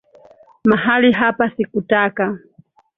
Mali hapa sikutaka.